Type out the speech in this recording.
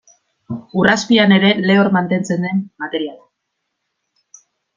Ur azpian ere lehor mantentzen den materiala.